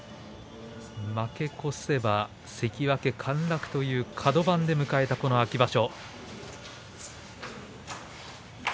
負け越せば陥落というカド番で迎えたこの秋場所。